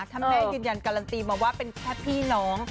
ถ้าแม่ยืนยันการันตีมาว่าเป็นแค่พี่น้อง